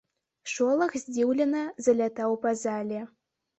Шолах здзіўлення залятаў па зале.